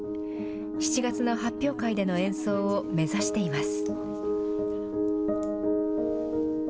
７月の発表会での演奏を目指しています。